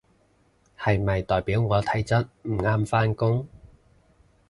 係咪代表我體質唔啱返工？